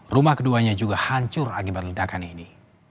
rumah keduanya juga hancur akibat ledakan ini